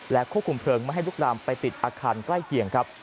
และควบคุมมาให้ลูกหลามไปติดอาคารใกล้เกี่ยง